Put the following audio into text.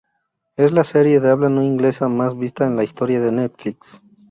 Es la serie de habla no inglesa más vista en la historia de Netflix.